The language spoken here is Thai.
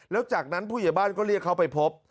แล้วจากนั้นผู้ใหญ่บ้านก็เรียกเขาไปพบ